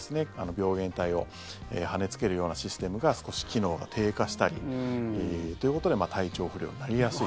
病原体を跳ねつけるようなシステムが少し機能が低下したりということで体調不良になりやすいと。